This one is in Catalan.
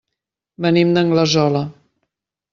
Venim d'Anglesola.